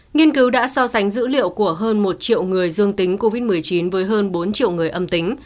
nghiên cứu đã so sánh dữ liệu của hơn một triệu người dương tính covid một mươi chín với hơn bốn triệu người âm tính